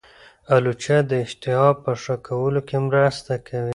الوچه د اشتها په ښه کولو کې مرسته کوي.